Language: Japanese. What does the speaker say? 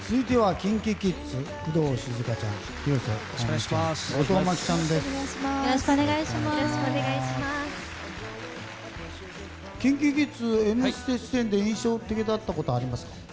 ＫｉｎＫｉＫｉｄｓ「Ｍステ」出演で印象的だったことはありますか？